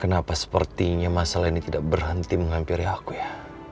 kenapa sepertinya masalah ini tidak berhenti menghampiri aku ya